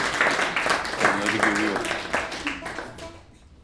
Onları görüyorum.